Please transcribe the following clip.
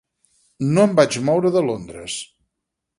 No em vaig moure de Londres.